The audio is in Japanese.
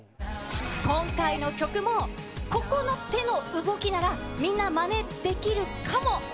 今回の曲もここの手の動きなら、みんな、まねできるかも。